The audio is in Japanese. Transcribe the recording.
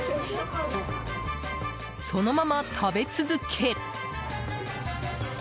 そのまま食べ続け。